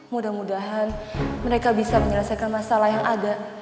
mudah mudahan mereka bisa menyelesaikan masalah yang ada